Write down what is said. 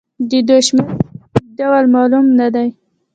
د دوی شمېر په دقيقه توګه معلوم نه دی.